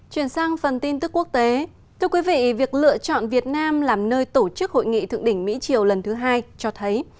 thưa quý vị việc lựa chọn việt nam làm nơi tổ chức hội nghị thượng đỉnh mỹ chiều lần thứ hai cho thấy